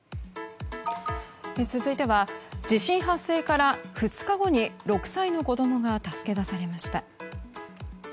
続いては地震発生から２日後に６歳の子供が助け出されました。